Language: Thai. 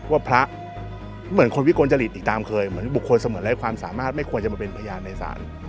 ว่าพระเหมือนคนวิกลจริตอีกตามเคยเหมือนบุคคลเสมือนไร้ความสามารถไม่ควรจะมาเป็นพยานในศาล